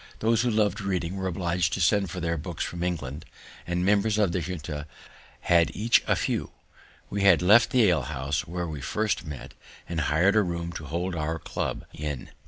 Those who lov'd reading were obliged to send for their books from England; the members of the Junto had each a few. We had left the alehouse, where we first met, and hired a room to hold our club in.